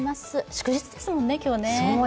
祝日ですもんね、今日ね。